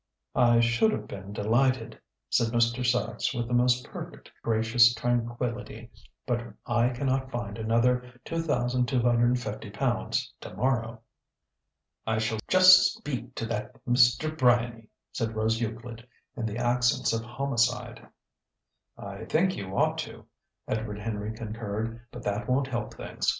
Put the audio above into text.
"I should have been delighted," said Mr. Sachs with the most perfect gracious tranquillity. "But I cannot find another £2,250 to morrow." "I shall just speak to that Mr. Bryany!" said Rose Euclid, in the accents of homicide. "I think you ought to," Edward Henry concurred. "But that won't help things.